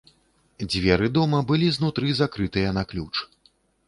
Дзверы дома былі знутры закрытыя на ключ.